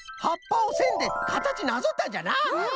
はっぱをせんでかたちなぞったんじゃな！